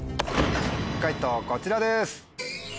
解答こちらです。